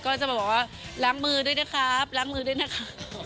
ก็จะบอกว่าล้างมือด้วยนะครับล้างมือด้วยนะคะ